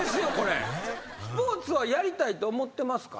スポーツはやりたいと思ってますか？